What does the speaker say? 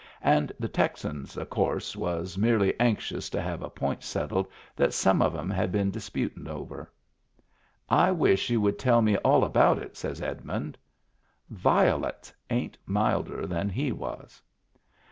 And the Texans, of course, was merely anxious to have a point settled that some of 'em had been disputin' over. " I wish you would tell me all about it," says Edmund. Violets ain't milder than he was.